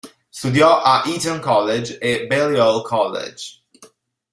Studiò a Eton College e Balliol College.